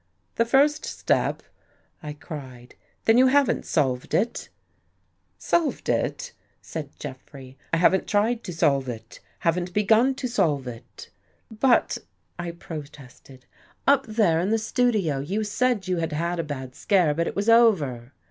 " The first step !" I cried. " Then you haven't solved it? " Solved it," cried Jeffrey, " I haven't tried to solve it. Haven't begun to solve it." " But," I protested, " up there in the studio, you said you had had a bad scare, but it was over."